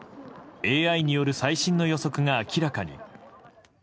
ＡＩによる最新の予測が明らかに。